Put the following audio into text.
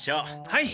はい。